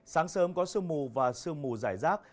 sáng sớm có sương mù và sương mù giải rác